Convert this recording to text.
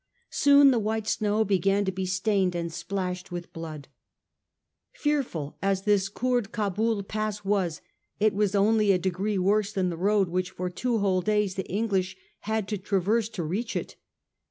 Soon the white snow began to be stained and splashed with blood. Fearful as this Koord Cabul Pass was, it was only a degree worse than the road which for two whole days the English had to traverse to reach if.